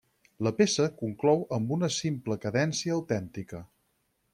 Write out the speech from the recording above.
La peça conclou amb una simple cadència autèntica.